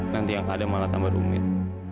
nanti yang ada malah tambah rumit